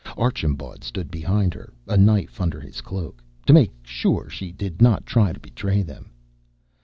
Archambaud stood behind her, a knife under his cloak, to make sure she did not try to betray them.